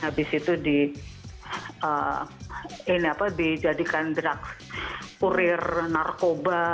habis itu dijadikan drug courier narkoba